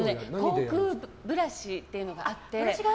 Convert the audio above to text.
口腔ブラシっていうのがあって。